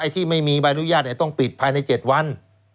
ที่ไม่มีใบอนุญาตต้องปิดภายใน๗วัน